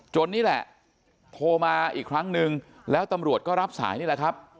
นี่แหละโทรมาอีกครั้งนึงแล้วตำรวจก็รับสายนี่แหละครับ